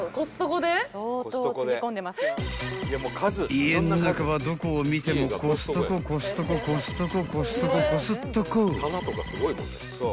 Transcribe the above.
［家の中はどこを見てもコストココストココストココストココスットコ］